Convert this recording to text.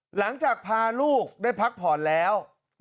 หลังจากพาลูกได้พักผ่อนแล้ว